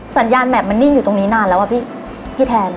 สัญญาณแมพมันนิ่งอยู่ตรงนี้นานแล้วอะพี่แทน